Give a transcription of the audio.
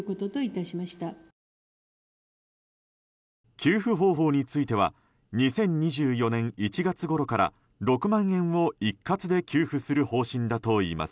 給付方法については２０２４年１月ごろから６万円を一括で給付する方針だといいます。